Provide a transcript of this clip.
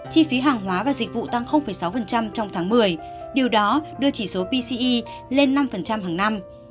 chi phí hàng hóa và dịch vụ tăng sáu trong tháng một mươi điều đó đưa chỉ số pce lên năm hàng năm